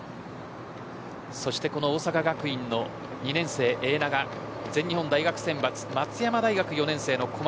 そしてこの大阪学院の２年生永長、全日本大学選抜松山大学４年生の小松。